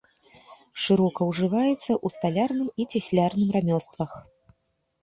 Шырока ўжываецца ў сталярным і цяслярным рамёствах.